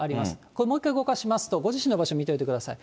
これ、もう一回動かしますと、ご自身の場所見ておいてください。